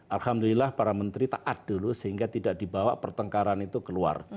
alhamdulillah para menteri taat dulu sehingga tidak dibawa pertengkaran itu keluar